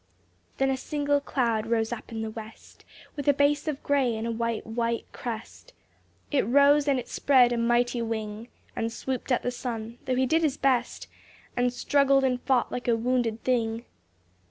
Then a single cloud rose up in the west, With a base of gray and a white, white crest; It rose and it spread a mighty wing. And swooped at the sun, though he did his best And struggled and fought like a wounded thing.